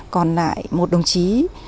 còn lại một đồng chí